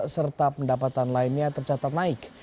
serta pendapatan lainnya tercatat naik